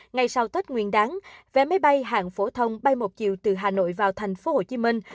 ngay sau tết nguyên đáng vé máy bay hạng phổ thông bay một chiều từ hà nội vào thành phố hồ chí minh